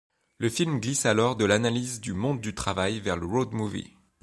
Le film glisse alors de l'analyse du monde du travail vers le road movie.